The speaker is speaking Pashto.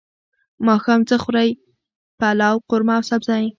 ماښام څه خورئ؟ پلاو، قورمه او سبزی